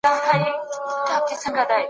ایا ادم د مځکي خلیفه نه و؟